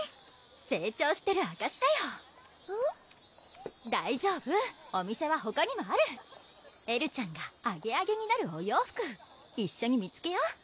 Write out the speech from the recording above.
成長してるあかしだよ大丈夫お店はほかにもあるエルちゃんがアゲアゲになるお洋服一緒に見つけよ！